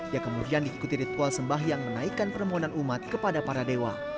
yang kemudian diikuti ritual sembah yang menaikkan permohonan umat kepada para dewa